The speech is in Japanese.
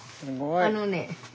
あのね。